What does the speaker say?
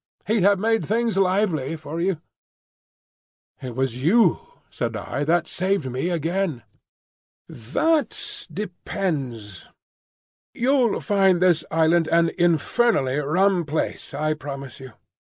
He'd have made things lively for you." "It was you," said I, "that saved me again." "That depends. You'll find this island an infernally rum place, I promise you.